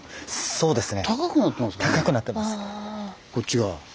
そうですね。